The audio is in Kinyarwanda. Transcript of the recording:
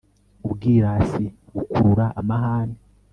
ubwirasi bukurura amahane